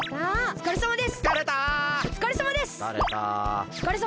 おつかれさまです！